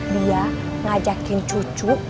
dia ngajakin cucu